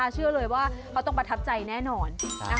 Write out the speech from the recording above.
เชื่อเลยว่าเขาต้องประทับใจแน่นอน